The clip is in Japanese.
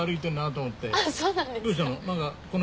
どうしたの？